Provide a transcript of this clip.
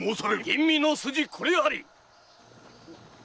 ・吟味の筋これあり！